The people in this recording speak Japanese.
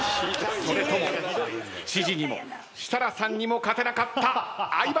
それとも知事にも設楽さんにも勝てなかった相葉君か？